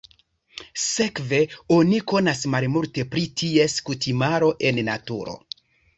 Sekve oni konas malmulte pri ties kutimaro en naturo.